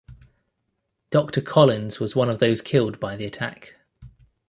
Doctor Colins was one of those killed by the attack.